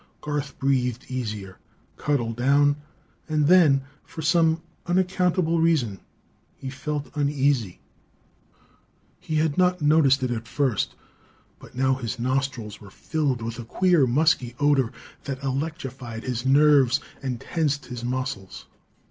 Garth breathed easier, cuddled down and then, for some unaccountable reason, he felt uneasy. He had not noticed it at first, but now his nostrils were filled with a queer, musky odor that electrified his nerves and tensed his muscles.